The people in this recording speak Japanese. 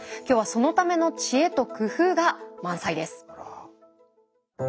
今日はそのための知恵と工夫が満載です。